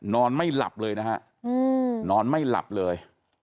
นอนไม่หลับเลยนะฮะนอนไม่หลับเลย